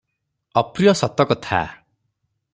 ଅପ୍ରିୟ ସତ କଥା ।